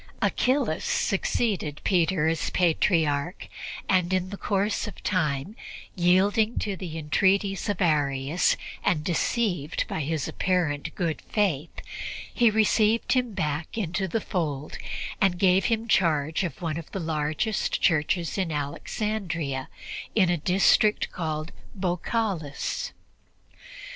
Achillas succeeded Peter as Patriarch, and in course of time, yielding to the entreaties of Arius and deceived by his apparent good faith, he received him back into the fold and gave him charge of one of the largest churches in Alexandria in a district called Baukalis.